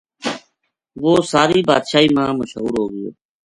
وہ ساری بادشاہی ما مشہور ہو گیو